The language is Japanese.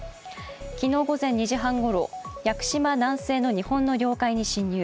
昨日午前２時半ごろ、屋久島南西の日本の領海に侵入。